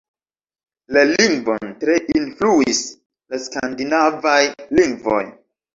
La lingvon tre influis la skandinavaj lingvoj.